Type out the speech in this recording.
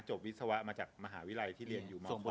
จบวิศวะมาจากมหาวิรัยที่เรียนอยู่มหาวิรัย